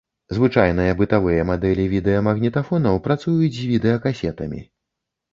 Звычайныя бытавыя мадэлі відэамагнітафонаў працуюць з відэакасетамі.